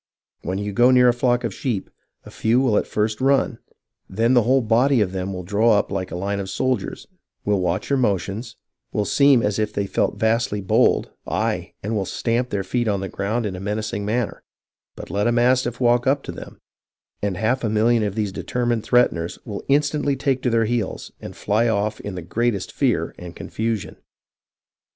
When you go near a flock of sheep, a few will at first run, then the whole body of them will draw up in a line like soldiers, will watch your motions, will seem as if they felt vastly bold, ay, and will stamp their feet on the ground in a menac ing manner ; but let a mastiff walk up to them, and half a million of these determined threateners will instantly take to their heels and fly off in the greatest fear and confusion."